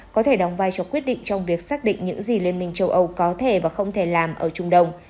có thể đóng vai trò quyết định trong việc xác định những gì liên minh châu âu có thể và không thể làm ở trung đông